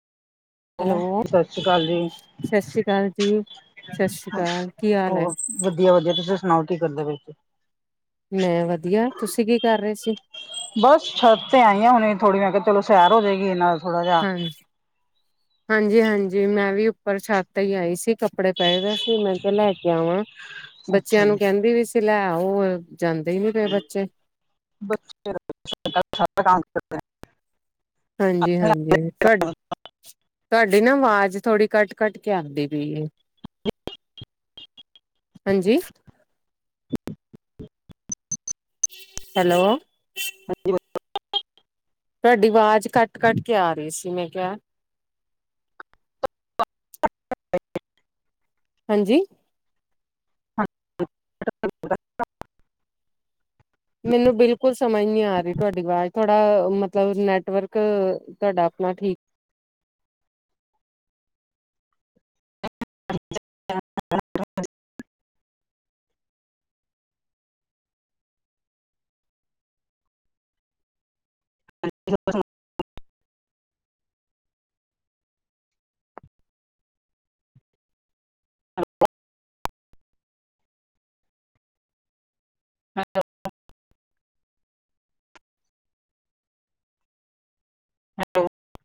Hello, ਸਤਿ ਸ਼੍ਰੀ ਅਕਾਲ ਜੀ। ਸਤਿ ਸ੍ਰੀ ਅਕਾਲ ਜੀ। ਸਤਿ ਸ੍ਰੀ ਅਕਾਲ ਕੀ ਹਾਲ ਹੈ ਹੋਰ? ਵਧੀਆ-ਵਧੀਆ ਤੁਸੀਂ ਸੁਣਾਓ ਕੀ ਕਰਦੇ ਪਏ ਸੀ? ਮੈਂ ਵਧੀਆ ਤੁਸੀਂ ਕੀ ਕਰ ਰਹੇ ਸੀ। ਬਸ ਛੱਤ ਤੇ ਆਈ ਆ ਹੁਣੇ ਥੋੜ੍ਹੀ ਮੈਂ ਕਿਹਾ ਚਲੋ ਸੈਰ ਹੋ ਜਾਏਗੀ, ਨਾਲੇ ਥੋੜਾ ਜਿਹਾ [inaudible] ਹਾਂਜੀ-ਹਾਂਜੀ ਮੈਂ ਵੀ ਉੱਪਰ ਛੱਤ ਤੇ ਹੀ ਆਈ ਸੀ, ਕੱਪੜੇ ਪਏਦੇ ਸੀ ਮੈਂ ਕਿਹਾ ਲੈ ਕੇ ਆਵਾਂ। ਬੱਚਿਆਂ ਅੱਛਾ ਨੂੰ ਜੀ, ਕਹਿੰਦੀ ਵੀ ਸੀ ਲੈ ਆਓ, ਓ ਜਾਂਦੇ ਹੀ ਨੀ ਪਏ ਬੱਚੇ। [unintelligible] ਹਾਂਜੀ-ਹਾਂਜੀ। ਕੱਢ ਤੁਹਾਡੀ ਨਾ ਆਵਾਜ਼ ਥੋੜੀ ਕੱਟ-ਕੱਟ ਕੇ ਆਖਦੀ ਪਈਏ। ਹਾਂਜੀ। ਹੈਲੋ। [unintelligible] ਤੁਹਾਡੀ ਆਵਾਜ਼ ਕੱਟ-ਕੱਟ ਕੇ ਆ ਰਹੀ ਸੀ ਮੈਂ ਕਿਹਾ। ਹਾਂਜੀ। [inaudible] ਮੈਨੂੰ ਬਿਲਕੁਲ ਸਮਝ ਨੀ ਆ ਰਹੀ ਤੁਹਾਡੀ ਆਵਾਜ਼, ਥੋੜਾ ਮਤਲਬ ਨੈਟਵਰਕ ਤੁਹਾਡਾ ਆਪਣਾ ਠੀਕ [inaudible] [inaudible]